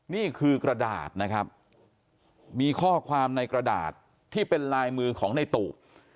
นี่คือกระดาษนะครับมีข้อความในกระดาษที่เป็นลายมือของในตู่